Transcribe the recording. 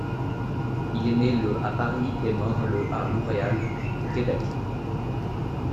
Il est né le à Paris et mort le à Montréal, au Québec.